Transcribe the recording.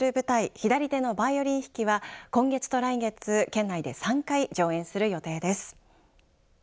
「左手のバイオリン弾き」は今月と来月、県内で３回上演する予定です。